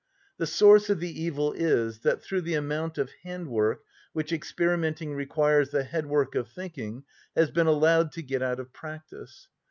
The source of the evil is, that through the amount of hand‐work which experimenting requires the head‐work of thinking has been allowed to get out of practice.